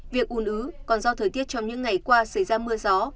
việc ủn ứ còn do thời tiết trong những ngày qua xảy ra mưa gió